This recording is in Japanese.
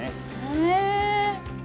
へえ！